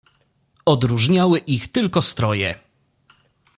"Odróżniały ich tylko stroje."